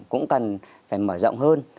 cũng cần phải mở rộng hơn